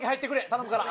頼むから。